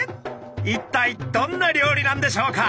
一体どんな料理なんでしょうか？